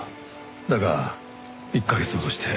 だが１カ月ほどして。